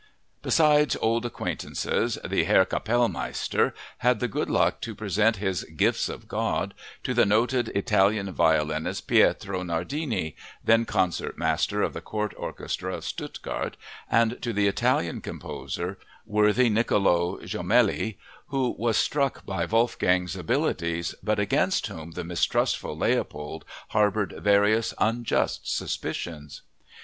Besides old acquaintances the "Herr Kapellmeister" had the good luck to present his "gifts of God" to the noted Italian violinist, Pietro Nardini, then concertmaster of the court orchestra of Stuttgart, and to the Italian composer, worthy Niccolo Jommelli, who was struck by Wolfgang's abilities but against whom the mistrustful Leopold harbored various unjust suspicions.